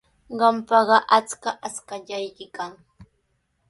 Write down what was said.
Qampaqa achka ashkallayki kan.